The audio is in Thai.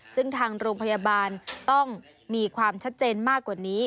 ซึ่งทางโรงพยาบาลต้องมีความชัดเจนมากกว่านี้